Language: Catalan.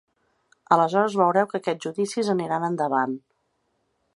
Aleshores veureu que aquests judicis aniran endavant.